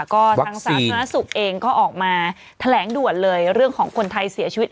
ก็ทางสาธารณสุขเองก็ออกมาแถลงด่วนเลยเรื่องของคนไทยเสียชีวิต